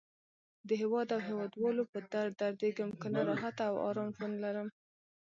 د هیواد او هیواد والو په درد دردېږم. کنه راحته او آرام ژوند لرم.